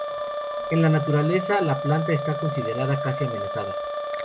En la naturaleza, la planta está considerada "casi amenazada".